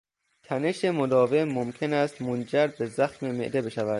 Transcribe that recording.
تنش مداوم ممکن است منجر به زخم معده بشود.